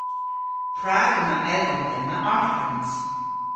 Prag yma edhom dhymm a arghans?